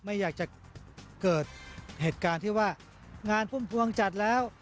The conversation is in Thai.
ไม่อยากจะเกิดเหตุการณ์ที่ว่างานพุ่มพวงจัดแล้ว